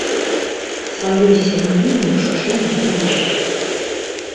Сваёй сям'і ў мужчыны няма.